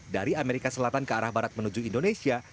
dari amerika selatan ke arah barat menuju indonesia